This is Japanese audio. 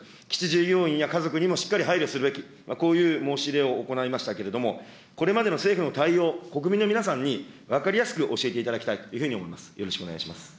基地従業員や家族にもしっかり配慮すべき、こういう申し入れを行いましたけれども、これまでの政府の対応、国民の皆さんに分かりやすく教えていただきたいというふうに思います。